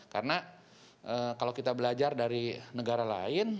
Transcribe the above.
karena kalau kita belajar dari negara lain